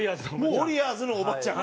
ウォリアーズのおばちゃん？